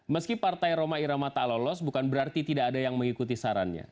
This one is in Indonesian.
meski partai roma irama tak lolos bukan berarti tidak ada yang mengikuti sarannya